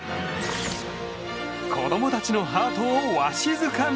子供たちのハートをわしづかみ！